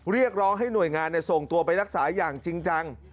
เรียกร้องให้หน่วยงานส่งตัวไปรักษาอย่างจริงจัง